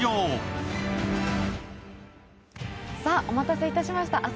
お待たせいたしました。